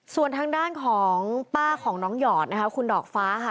ส่วนทางด้านของป้าของน้องหยอดนะคะคุณดอกฟ้าค่ะ